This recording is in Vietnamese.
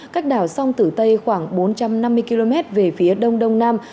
cách đảo sông tử tây khoảng bốn trăm năm mươi km về phía đông đông nam